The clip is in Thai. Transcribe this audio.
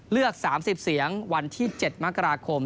เลือก๓๐เสียงวันที่๗มกราคม